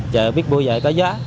chợ biết mua giờ có giá